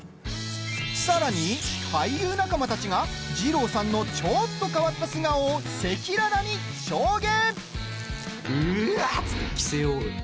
さらに、俳優仲間たちが二朗さんのちょっと変わった素顔を赤裸々に証言。